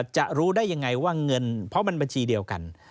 จะรู้ได้ยังไงว่าเงินเพราะมันบัญชีเดียวกัน